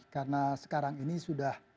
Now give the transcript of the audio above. karena sekarang ini sudah